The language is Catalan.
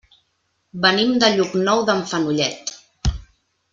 Venim de Llocnou d'en Fenollet.